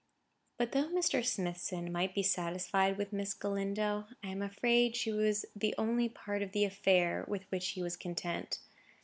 But though Mr. Smithson might be satisfied with Miss Galindo, I am afraid she was the only part of the affair with which he was content.